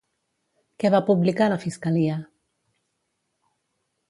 Què va publicar la Fiscalia?